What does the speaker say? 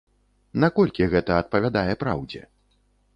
Наколькі гэта адпавядае праўдзе?